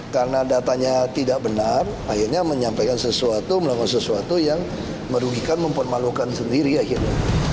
karena datanya tidak benar akhirnya menyampaikan sesuatu melakukan sesuatu yang merugikan mempermalukan sendiri akhirnya